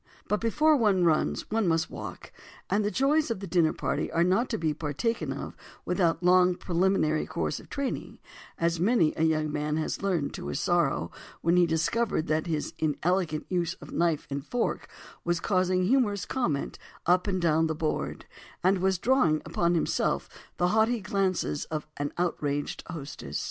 But "before one runs, one must learn to walk"—and the joys of the dinner party are not to be partaken of without a long preliminary course of training, as many a young man has learned to his sorrow when he discovered that his inelegant use of knife and fork was causing humorous comment up and down the "board" and was drawing upon himself the haughty glances of an outraged hostess.